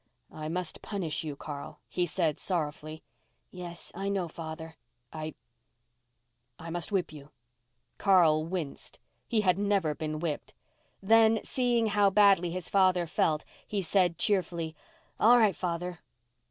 "I must punish you, Carl," he said sorrowfully. "Yes, I know, father." "I—I must whip you." Carl winced. He had never been whipped. Then, seeing how badly his father felt, he said cheerfully, "All right, father."